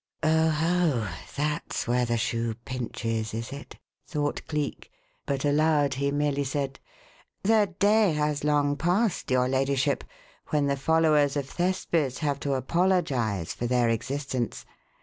"Oho! that's where the shoe pinches, is it?" thought Cleek; but aloud he merely said: "The day has long passed, your ladyship, when the followers of Thespis have to apologize for their existence.